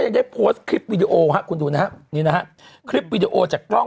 ยังได้โพสต์คลิปวิดีโอฮะคุณดูนะฮะนี่นะฮะคลิปวีดีโอจากกล้อง